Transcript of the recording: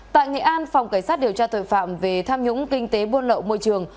tại nghệ an phòng cảnh sát điều tra tội phạm về tham nhũng kinh tế buôn lậu môi trường